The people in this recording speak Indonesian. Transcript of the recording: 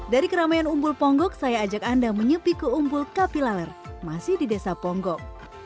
dari keramaian umbul ponggok saya ajak anda menyepi ke umbul kapilaler masih di desa ponggok